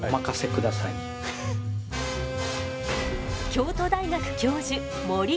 京都大学教授森くん。